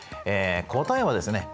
答えはですね